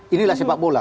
inilah sepak bola